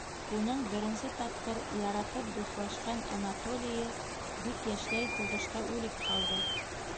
Уның беренсе тапҡыр яратып дуҫлашҡан Анатолийы бик йәшләй һуғышта үлеп ҡалды.